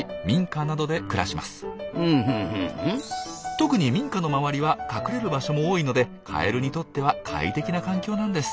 特に民家の周りは隠れる場所も多いのでカエルにとっては快適な環境なんです。